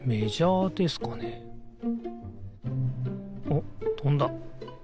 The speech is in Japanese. おっとんだ。